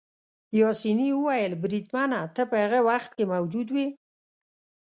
پاسیني وویل: بریدمنه، ته په هغه وخت کې موجود وې؟